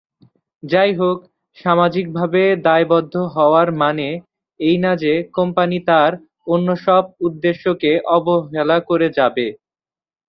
যাইহোক, সামাজিকভাবে দায়বদ্ধ হওয়ার মানে এই না যে কোম্পানি তার অন্যসব উদ্দেশ্যকে অবহেলা করে যাবে।